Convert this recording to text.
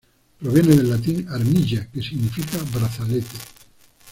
Proviene del latín "armilla", que significa brazalete.